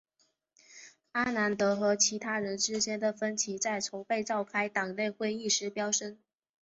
阿南德和其他人之间的分歧在筹备召开党内会议时飙升。